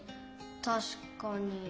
たしかに。